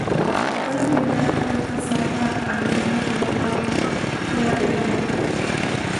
Fue la primera Puerta Santa abierta por un Papa, fuera de Roma.